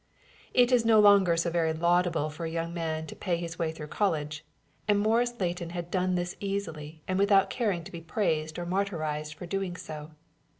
It is no longer so very laudable for a young man to pay his way through college; and Morris Leighton had done this easily and without caring to be praised or martyrized for doing so.